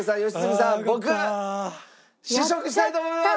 僕試食したいと思います！